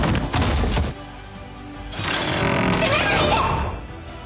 「閉めないで！」